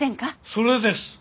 それです！